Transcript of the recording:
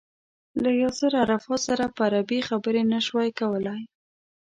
له ياسر عرفات سره په عربي خبرې نه شوای کولای.